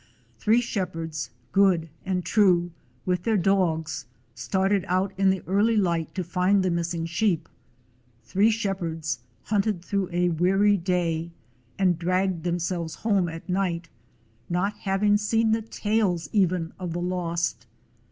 Three shepherds, good and true, with their dogs, started out in the early light to find the missing sheep. Three shepherds hunted through a weary day and dragged themselves home at night, not having seen the tails, even, of the lost.